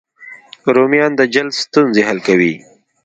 رومیان د جلد ستونزې حل کوي